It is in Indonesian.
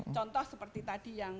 contoh seperti tadi yang